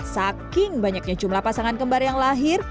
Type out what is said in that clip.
saking banyaknya jumlah pasangan kembar yang lahir